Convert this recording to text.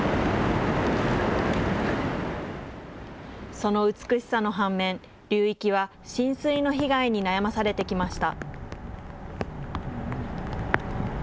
その美しさの反面、流域は浸水の被害に悩まされてきました。